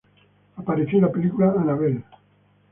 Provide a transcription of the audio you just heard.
Apareció en la película "Annabelle".